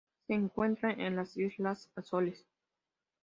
Se encuentra en las Islas Azores.